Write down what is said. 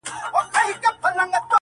ويل باز به وي حتماً خطا وتلى٫